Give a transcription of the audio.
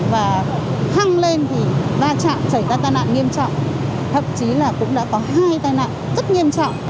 và khăng lên thì ra chạm chảy ra tai nạn nghiêm trọng thậm chí là cũng đã có hai tai nạn rất nghiêm trọng